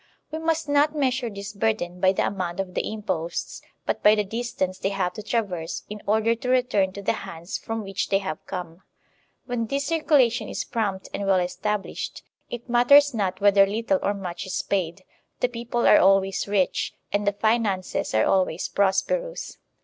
We must not measure this burden by the amount of the imposts, but by the distance they have to traverse in order to return to the hands from which they have come. When this circulation is prompt and well established, it matters not whether little or much is paid ; the people are always rich, and the finances are always prosperous.